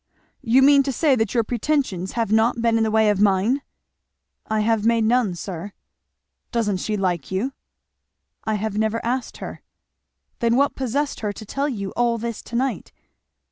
"You mean to say that your pretensions have not been in the way of mine?" "I have made none, sir." "Doesn't she like you?" "I have never asked her." "Then what possessed her to tell you all this to night?"